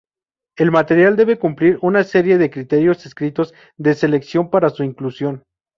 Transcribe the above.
El material debe cumplir una serie de criterios estrictos de selección para su inclusión.